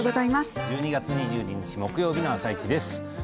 １２月２２日木曜日の「あさイチ」です。